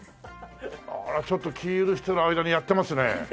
あらちょっと気許してる間にやってますね。